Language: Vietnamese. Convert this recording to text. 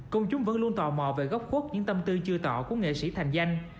công chúng vẫn luôn tò mò về góc khuất những tâm tư chưa tỏ của nghệ sĩ thành danh